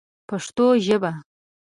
پښتو ژبه